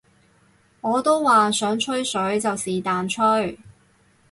我都話想吹水就是但吹